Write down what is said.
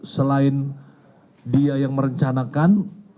selain dia yang merencanakan